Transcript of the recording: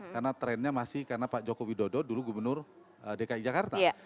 karena trennya masih karena pak jokowi dodo dulu gubernur dki jakarta